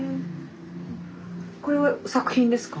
これは作品ですか？